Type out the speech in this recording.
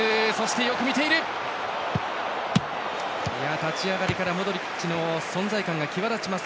立ち上がりからモドリッチの存在感が際立ちます。